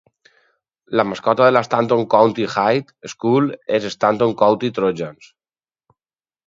La mascota de la Stanton County High School és Stanton County Trojans.